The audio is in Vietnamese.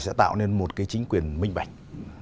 sẽ tạo nên một chính quyền minh bạch